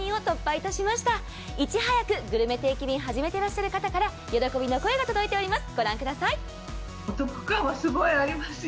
いち早くグルメ定期便始めてらっしゃる方から喜びの声が届いております。